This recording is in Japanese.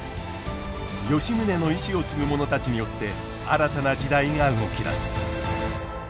吉宗の遺志を継ぐ者たちによって新たな時代が動き出す。